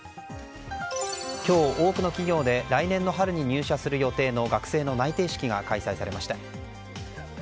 今日、多くの企業で来年の春に入社する予定の学生の内定式が開催されました。